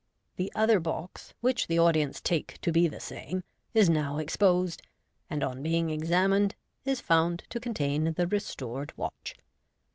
The othei box, which the audience take to be the same, is now exposed, and, on being examined, is found to contain the restored watch.